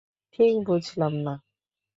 ঠিক বুঝলাম না!